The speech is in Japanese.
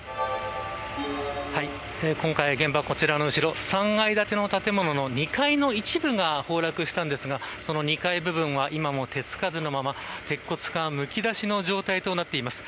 今回、現場こちらの後ろ３階建の建物の２階の一部が崩落したんですが、その２階部分は今も手付かずのまま鉄骨がむき出しの状態となっています。